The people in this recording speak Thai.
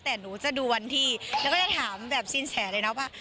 แต่หนูจะดูวันที่แล้วก็จะถามแบบสินแสเลยนะว่า